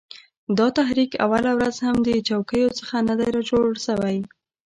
دا تحریک اوله ورځ هم د چوکیو څخه نه دی را جوړ سوی